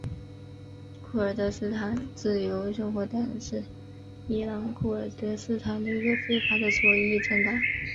库尔德斯坦自由生活党是伊朗库尔德斯坦的一个非法的左翼政党。